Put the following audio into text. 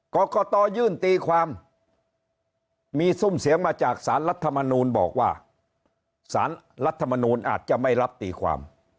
กรกตยื่นตีความมีซุ่มเสียงมาจากสารรัฐมนูลบอกว่าสารรัฐมนูลอาจจะไม่รับตีความ